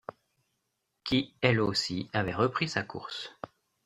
qui elle aussi avait repris sa course.